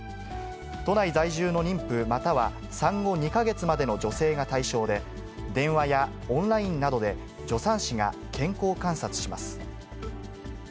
都内在住の妊婦または産後２か月までの女性が対象で、電話やオンラインなどで、助産師が健康観察します。